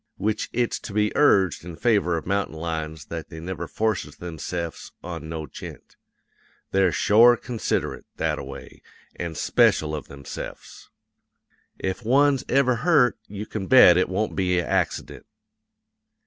Which it's to be urged in favor of mountain lions that they never forces themse'fs on no gent; they're shore considerate, that a way, an' speshul of themse'fs. If one's ever hurt, you can bet it won't be a accident.